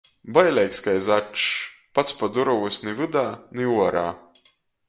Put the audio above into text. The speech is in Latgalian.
Baileigs kai začs! Pats pa durovys ni vydā, ni uorā!